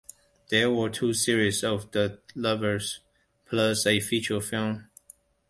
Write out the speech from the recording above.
There were two series of "The Lovers", plus a feature film.